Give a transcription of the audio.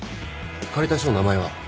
借りた人の名前は？